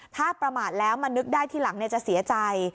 ถ้าประมาทแล้วมานึกได้ทีหลังจะเสียใจ